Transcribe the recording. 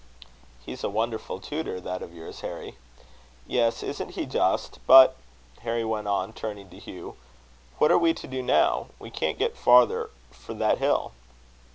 "He's a wonderful tutor, that of yours, Harry!" "Yes, isn't he just? But," Harry went on, turning to Hugh, "what are we to do now? We can't get farther for that hill."